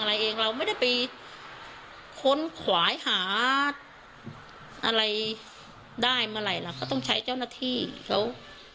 อะไรได้เมื่อไหร่ล่ะก็ต้องใช้เจ้าหน้าที่เขา